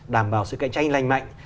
đảm bảo sự cạnh tranh lành mạnh